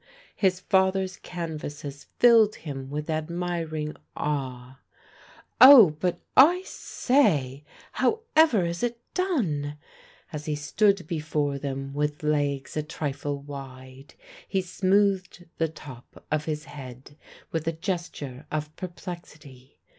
His father's canvases filled him with admiring awe. "Oh, but I say however is it done?" As he stood before them with legs a trifle wide, he smoothed the top of his head with a gesture of perplexity.